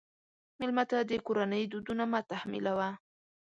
مېلمه ته د کورنۍ دودونه مه تحمیلوه.